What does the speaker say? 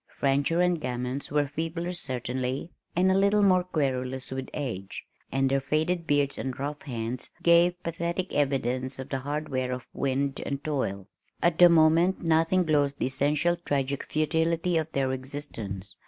Fancher and Gammons were feebler certainly, and a little more querulous with age, and their faded beards and rough hands gave pathetic evidence of the hard wear of wind and toil. At the moment nothing glozed the essential tragic futility of their existence.